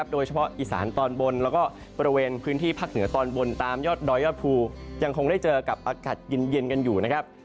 โดยเฉพาะอีสานตอนบนแล้วก็บริเวณพื้นที่ภาคเหนือตอนบนตามยอดดอยยอดภูยังคงได้เจอกับอากาศเย็นกันอยู่นะครับ